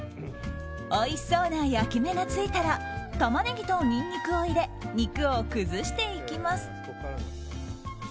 おいしそうな焼き目が付いたらタマネギとニンニクを入れ肉を崩していきます。